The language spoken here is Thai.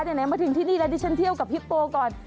ไหนมาถึงที่นี่แล้วดิฉันเที่ยวกับฮิปโปก่อน